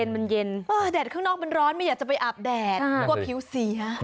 มันเย็นแดดข้างนอกมันร้อนไม่อยากจะไปอาบแดดนึกว่าผิวเสีย